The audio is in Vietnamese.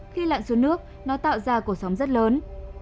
khi lặn xuống nước nó tạo ra cổ sóng rất lớn